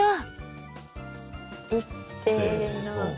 いっせの。